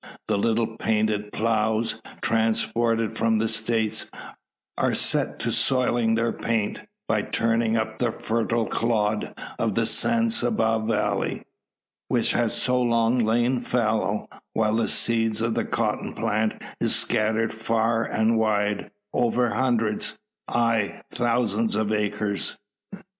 The little painted ploughs, transported from the States, are set to soiling their paint, by turning up the fertile clod of the San Saba valley, which has so long lain fallow; while the seed of the cotton plant is scattered far and wide over hundreds ay, thousands of acres.